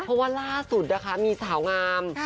เพราะว่าลักษณะสุดมีสาวงาม